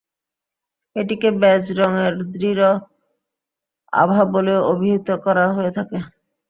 এটিকে বেজ রঙের গূঢ় আভা বলেও অভিহিত করা হয়ে থাকে।